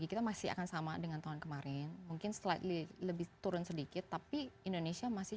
kita masih akan sama dengan tahun kemarin mungkin slidely lebih turun sedikit tapi indonesia masih